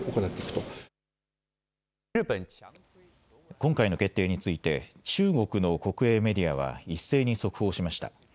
今回の決定について中国の国営メディアは一斉に速報しました。